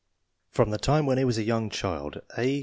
" Prom the time when he was' a young child A.